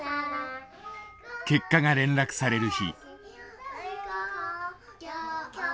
結果が連絡される日。